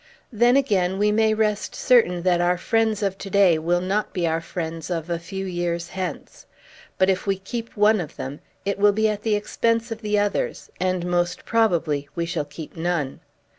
Then, again, we may rest certain that our friends of to day will not be our friends of a few years hence; but, if we keep one of them, it will be at the expense of the others; and most probably we shall keep none.